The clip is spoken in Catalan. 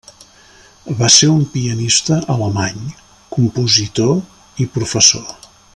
Va ser un pianista alemany, compositor i professor.